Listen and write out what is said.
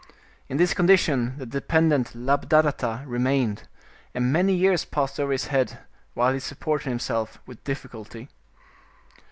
In this condition the dependent Labdhadatta remained, and many years passed over his head, while he supported him self with difficulty.